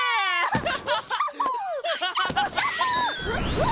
うわ！